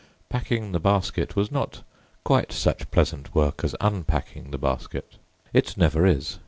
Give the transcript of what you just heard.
Packing the basket was not quite such pleasant work as unpacking the basket. It never is.